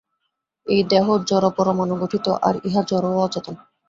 এই দেহ জড়পরমাণু-গঠিত, আর ইহা জড় ও অচেতন।